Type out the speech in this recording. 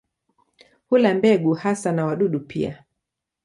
Hula mbegu hasa na wadudu pia.